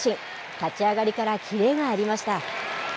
立ち上がりからキレがありました。